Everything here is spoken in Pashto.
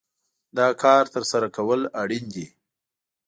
دا کار ترسره کول اړين دي.